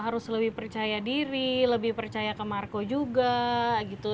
harus lebih percaya diri lebih percaya ke marco juga gitu